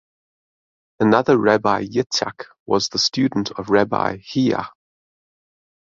Another Rabbi Yitzchak was the student of Rabbi Hiyya.